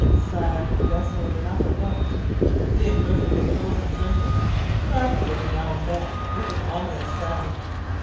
Sad and desolate enough it looked, the imperfectly frozen surface cracking every now and then with an ominous sound.